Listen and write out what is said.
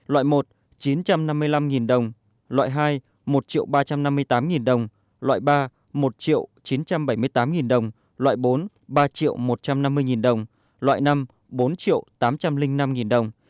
loại một chín trăm năm mươi năm đồng loại hai một ba trăm năm mươi tám đồng loại ba một chín trăm bảy mươi tám đồng loại bốn ba một trăm năm mươi đồng loại năm bốn tám trăm linh năm đồng